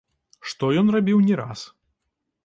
Што ён рабіў не раз.